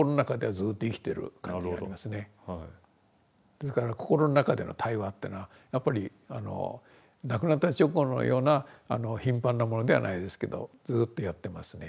ですから心の中での対話っていうのはやっぱり亡くなった直後のような頻繁なものではないですけどずっとやってますね。